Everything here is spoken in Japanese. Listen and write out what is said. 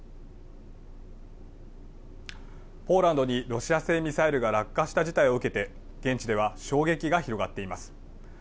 ポーランドにロシア製ミサイルが落下した事態を受けて現地では衝撃が広がっています。